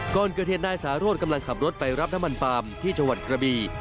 ก่อนเกิดเหตุนายสาโรธกำลังขับรถไปรับน้ำมันปาล์มที่จังหวัดกระบี